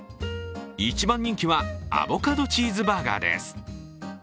一番人気はアボカドチーズバーガーです。